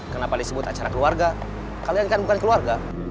kenapa disebut acara keluarga kalian kan bukan keluarga